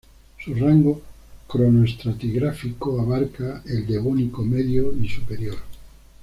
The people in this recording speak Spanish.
Su rango cronoestratigráfico abarca el Devónico medio y superior.